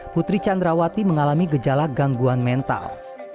putri candrawati mengalami gejala gangguan mental